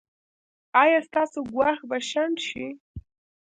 ایا ستاسو ګواښ به شنډ شي؟